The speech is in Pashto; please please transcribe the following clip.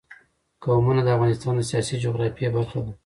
قومونه د افغانستان د سیاسي جغرافیه برخه ده.